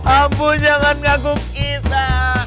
ampun jangan kagum kita